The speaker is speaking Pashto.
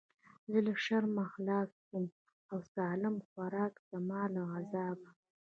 زه له شرمه خلاص سوم او سالم خواركى زما له عذابه.